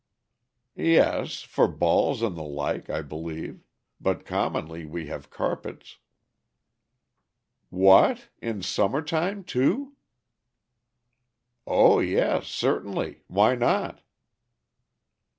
"Yes, for balls and the like, I believe, but commonly we have carpets." "What! in summer time, too?" "O yes! certainly, Why not?"